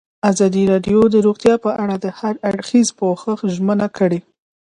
ازادي راډیو د روغتیا په اړه د هر اړخیز پوښښ ژمنه کړې.